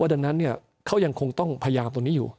ดังนั้นเขายังคงต้องพยายามตรงนี้อยู่